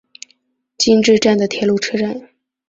今治站的铁路车站。